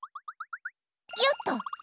よっと！